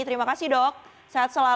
terima kasih dok sehat selalu